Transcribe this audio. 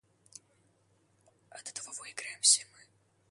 От этого выиграем все мы.